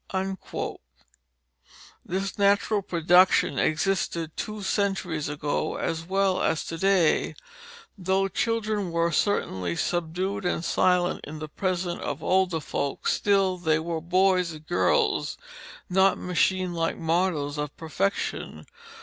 This natural production existed two centuries ago as well as to day. Though children were certainly subdued and silent in the presence of older folk, still they were boys and girls, not machine like models of perfection.